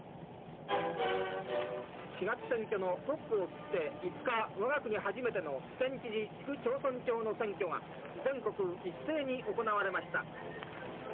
４月選挙のトップを切って、５日、わが国初めての県知事、市区町村長の選挙が全国一斉に行われました。